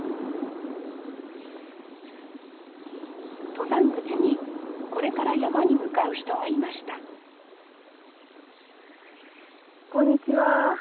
登山口にこれから山に向かう人がいましたこんにちは。